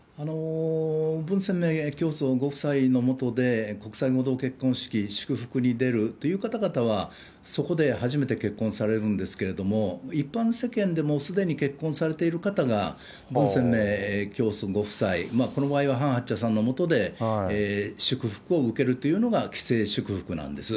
文鮮明教祖ご夫妻の下で、国際合同結婚式、祝福に出るという方々は、そこで初めて結婚されるんですけれども、一般世間でもうすでに結婚されている方が文鮮明教祖ご夫妻、この場合はハン・ハクチャさんのもとで祝福を受けるというのが既成祝福なんです。